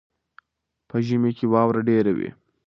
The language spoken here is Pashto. په ژمي کې واوره ډېره وي.